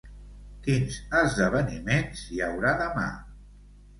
Quins esdeveniments hi haurà demà?